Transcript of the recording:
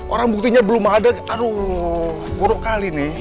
orang buktinya belum ada taruh kuruk kali nih